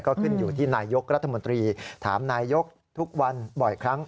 ก็ขึ้นอยู่ที่นายยกรัฐมนตรีถามนายกทุกวันบ่อยครั้ง